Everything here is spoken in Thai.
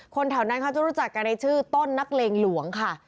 แถวนั้นเขาจะรู้จักกันในชื่อต้นนักเลงหลวงค่ะ